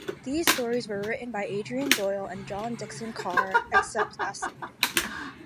These stories were written by Adrian Doyle and John Dickson Carr except as stated.